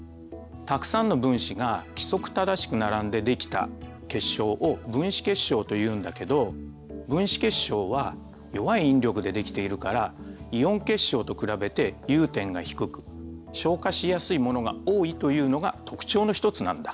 たくさんの分子が規則正しく並んでできた結晶を分子結晶というんだけど分子結晶は弱い引力でできているからイオン結晶と比べて融点が低く昇華しやすいものが多いというのが特徴のひとつなんだ。